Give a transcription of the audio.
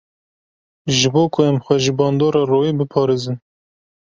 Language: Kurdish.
Ji bo ku em xwe ji bandora royê biparêzin.